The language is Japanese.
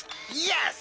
よし！